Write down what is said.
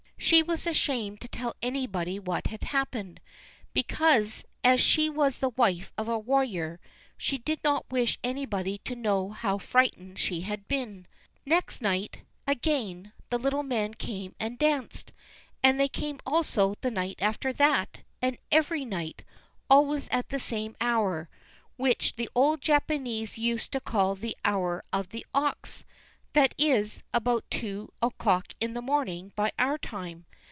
She was ashamed to tell anybody what had happened, because, as she was the wife of a warrior, she did not wish anybody to know how frightened she had been. Next night, again, the little men came and danced; and they came also the night after that, and every night, always at the same hour, which the old Japanese used to call the "hour of the ox"; that is, about two o'clock in the morning by our time.